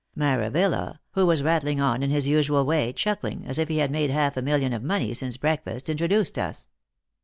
Maravilla, who was rattling on in his usual way, chuckling as if he had made half a million of money since breakfast, introduced us.